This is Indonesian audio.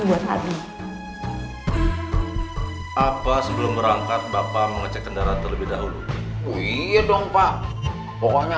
buat adik apa sebelum berangkat bapak mengecek kendaraan terlebih dahulu oh iya dong pak pokoknya